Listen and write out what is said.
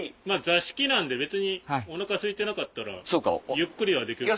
座敷なんで別にお腹すいてなかったらゆっくりはできる。